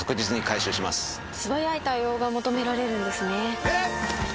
素早い対応が求められるんですね。